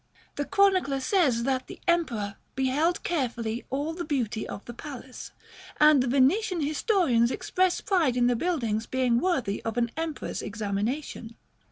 The chronicler says that the Emperor "beheld carefully all the beauty of the palace;" and the Venetian historians express pride in the building's being worthy of an emperor's examination.